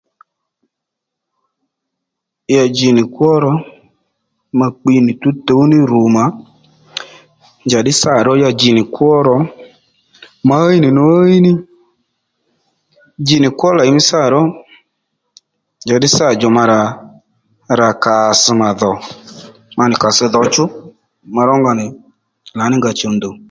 Ya dji nì kwó ro ma kpi tǔwtǔw ní rù mà njàddí sâ ró ya dji nì kwo ró ma ɦíy nì nú ɦíy ní dji nì kwo lèy mí sâ ró njàddí sâ djò ma ra nì kàss mà dhò ma nì kàss dhǒ chú ma rónga nì lǎní nga chǔw ndùw